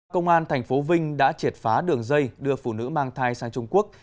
công an tp vinh đã triệt phá đường dây đưa phụ nữ mang thai sang trung quốc